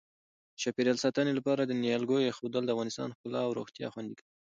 د چاپیریال ساتنې لپاره د نیالګیو اېښودل د افغانستان ښکلا او روغتیا خوندي کوي.